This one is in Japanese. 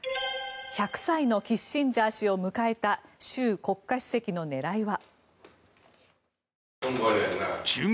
１００歳のキッシンジャー氏を迎えた習国家主席の狙いは。